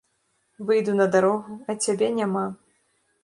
Выйду на дарогу, а цябе няма.